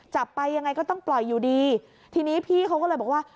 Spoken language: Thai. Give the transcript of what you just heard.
จับไปยังไงก็ต้องปล่อยอยู่ดีทีนี้พี่เขาก็เลยบอกว่า